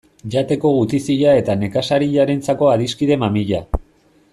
Jateko gutizia eta nekazariarentzako adiskide mamia.